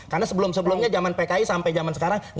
karena sebelum sebelumnya zaman pki sampai zaman sekarang